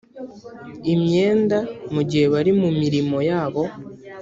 imyenda mu gihe bari mu mirimo yabo